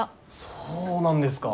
そうなんですか。